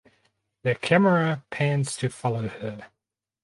The camera pans to follow her.